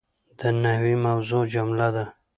د نحوي موضوع جمله ده.